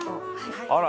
「あら！」